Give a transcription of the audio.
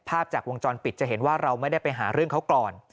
ภาพจากวงจรปิดจะเห็นว่าเราไม่ได้ไปหาเรื่องเขาก่อน